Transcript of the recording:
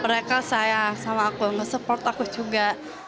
mereka sayang sama aku ngesupport aku juga